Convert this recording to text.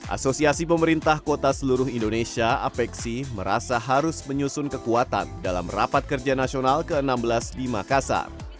asosiasi pemerintah kota seluruh indonesia apexi merasa harus menyusun kekuatan dalam rapat kerja nasional ke enam belas di makassar